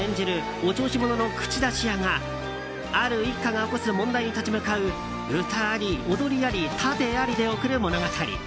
お調子者の口出し屋がある一家が起こす問題に立ち向かう歌あり、踊りあり殺陣ありで送る物語。